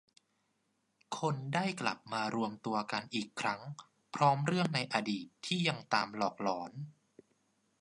คนได้กลับมารวมตัวกันอีกครั้งพร้อมเรื่องในอดีตที่ยังตามหลอกหลอน